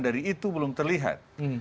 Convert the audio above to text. dari itu belum terlihat